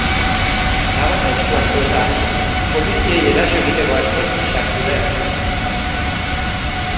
Labana eskuan zuela, poliziei eraso egiteko asmoz sartu da erasotzailea.